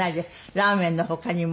ラーメンの他にも。